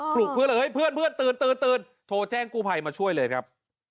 ปลุกเพื่อนเลยเฮ้ยเพื่อนตื่นโทรแจ้งกู้ภัยมาช่วยเลยครับ